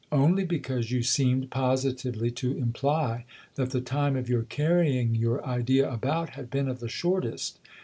" "Only because you seemed positively to imply that the time of your carrying your idea about had been of the shortest.